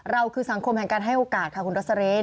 คือสังคมแห่งการให้โอกาสค่ะคุณรสเรน